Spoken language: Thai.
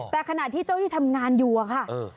แต่ขณะที่เจ้าที่ทำงานอยู่อะค่ะ